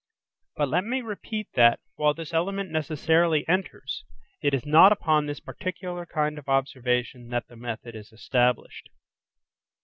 But let me repeat that, while this element necessarily enters, it is not upon this particular kind of observation that the method is established.